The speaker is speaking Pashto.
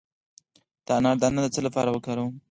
د انار دانه د څه لپاره وکاروم؟